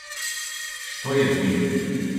Што је би?